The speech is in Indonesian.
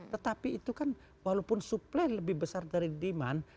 tetapi itu kan walaupun suplai lebih besar dari demand